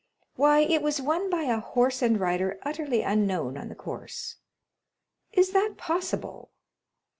"Why, it was won by a horse and rider utterly unknown on the course." "Is that possible?"